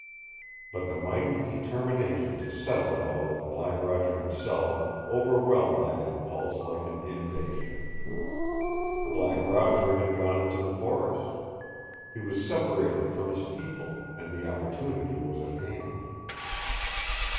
But the mighty determination to settle it all with Black Roger himself overwhelmed that impulse like an inundation. Black Roger had gone into the forest. He was separated from his people, and the opportunity was at hand.